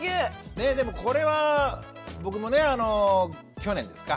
ねえでもこれは僕もね去年ですか。